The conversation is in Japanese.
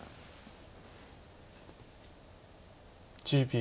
１０秒。